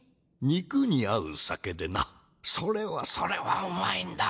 肉に合う酒でなそれはそれはうまいんだ。